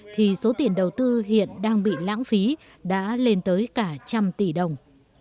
thì số tiền đầu tư hiện đang bị lãng phí đã lên tới cả trăm tỷ đồng